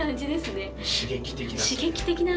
刺激的な？